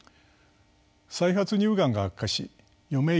再発乳がんが悪化し余命